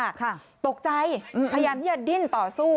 ตกใจพยายามที่จะดิ้นต่อสู้